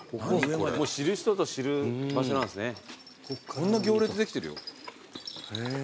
こんな行列できてるよ。